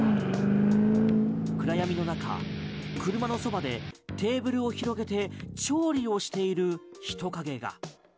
暗闇の中車のそばでテーブルを広げて調理をしている人影が。